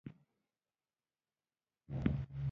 نهرو سره يې ښې اړيکې پېدا کړې